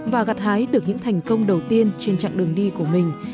và gặt hái được những thành công đầu tiên trên chặng đường đi của mình